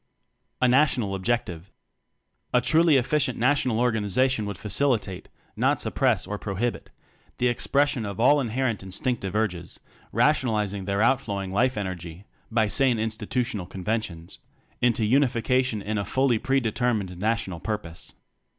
A National Objective. A truly efficient National Organi zation would facilitate (not suppress or prohibit) the expression of all inherent Instinctive Urges, rational izing their outflowing life energy (by sane institutional conventions) into unification in a fully pre determined National Purpose.